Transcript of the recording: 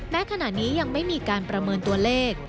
ขณะนี้ยังไม่มีการประเมินตัวเลข